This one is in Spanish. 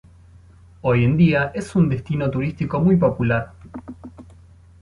Hoy en día es un destino turístico muy popular.